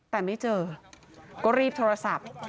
แต่ไม่เจอก็รีบโทรศัพท์